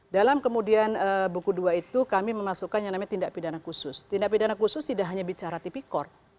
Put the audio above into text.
dalam kemudian buku dua itu kami memasukkan yang namanya tindak pidana khusus tindak pidana khusus tidak hanya bicara tipikor